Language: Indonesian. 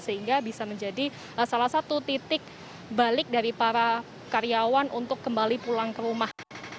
sehingga bisa menjadi salah satu titik balik dari para karyawan untuk kembali pulang ke rumah